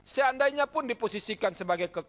seandainya pun diposisikan sebagai kekuatan